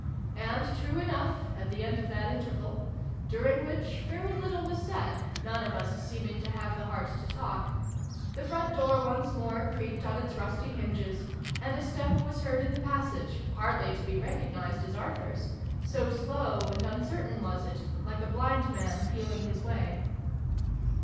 And, true enough, at the end of that interval during which very little was said, none of us seeming to have the heart to talk the front door once more creaked on its rusty hinges, and a step was heard in the passage, hardly to be recog nised as Arthur's, so slow and uncertain was it, like a blind man feeling his way.